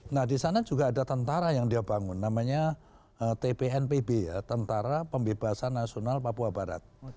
nah di sana juga ada tentara yang dia bangun namanya tpnpb ya tentara pembebasan nasional papua barat